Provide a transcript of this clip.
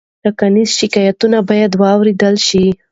ټاکنیز شکایتونه باید واوریدل شي.